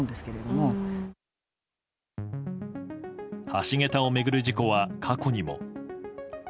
橋桁を巡る事故は過去にも。